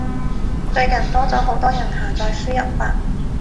最近多咗好多人下載輸入法